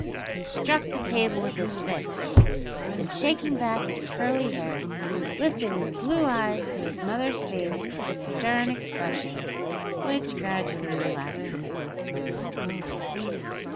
He struck the table with his fist, and, shaking back his curly hair, lifted his blue eyes to his mother's face with a stern expression, which gradually relaxed into a smile.